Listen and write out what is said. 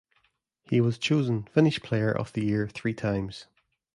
He was chosen Finnish Player of the Year three times.